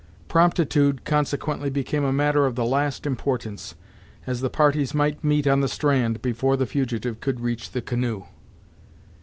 Promptitude, consequently became a matter of the last importance, as the parties might meet on the strand, before the fugitive could reach the canoe.